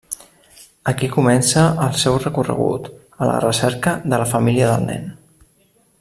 Aquí comença el seu recorregut, a la recerca de la família del nen.